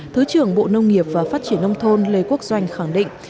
thứ trưởng bộ nông nghiệp và phát triển nông thôn lê quốc doanh khẳng định